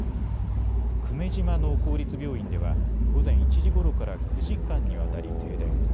久米島の公立病院では午前１時ごろから９時間にわたり停電。